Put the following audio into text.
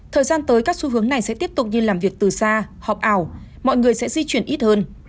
thời gian tới các xu hướng này sẽ tiếp tục như làm việc từ xa họp ảo mọi người sẽ di chuyển ít hơn